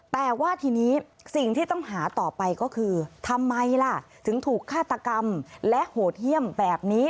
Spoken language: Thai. แต่ว่าทีนี้สิ่งที่ต้องหาต่อไปก็คือทำไมล่ะถึงถูกฆาตกรรมและโหดเยี่ยมแบบนี้